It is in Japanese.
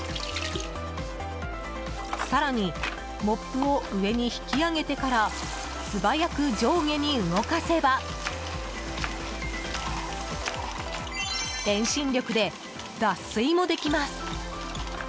更に、モップを上に引き上げてから素早く上下に動かせば遠心力で脱水もできます。